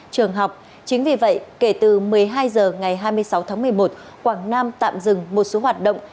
chính vì vậy kể từ một mươi hai giờ ngày hai mươi sáu tháng một mươi một quảng nam tạm dừng một số hoạt động